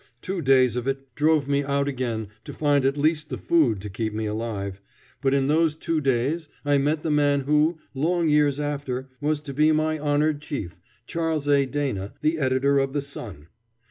Two days of it drove me out again to find at least the food to keep me alive; but in those two days I met the man who, long years after, was to be my honored chief, Charles A. Dana, the editor of the Sun.